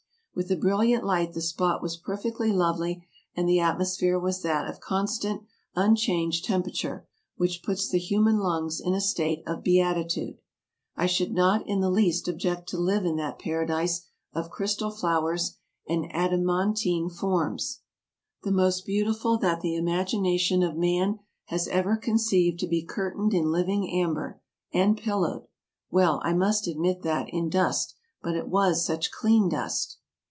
With a brilliant light the spot was perfectly lovely and the atmosphere was that of constant, unchanged temperature, which puts the human lungs in a state of beatitude. I should not in the least object to live in that paradise of crystal flowers and adamantine forms, the most beautiful that the imagination of man has ever conceived to be curtained in living amber, and pillowed — well, I must admit that — in dust; but it was such clean dust.